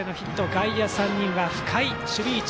外野３人は深い守備位置。